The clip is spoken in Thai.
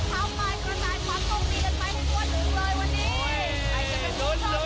ปวดไปแล้ว